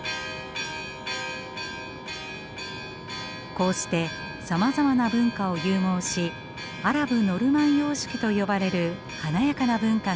こうしてさまざまな文化を融合しアラブ・ノルマン様式と呼ばれる華やかな文化が形づくられます。